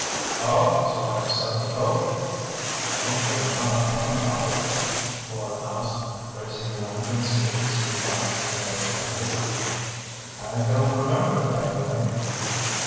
"Oh, so I upset the boat?" "Don't you remember nothin' about it?" Fleur asked, raising the lantern so he could see Flash to better advantage. "I don't remember it that way."